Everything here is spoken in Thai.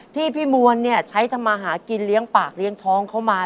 พี่มวลใช้ทำมาหากินเลี้ยงปากเลี้ยงท้องเข้ามา